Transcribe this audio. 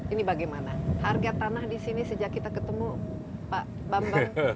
ini bagaimana harga tanah di sini sejak kita ketemu pak bambang